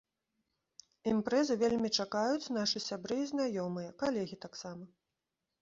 Імпрэзы вельмі чакаюць нашы сябры і знаёмыя, калегі таксама.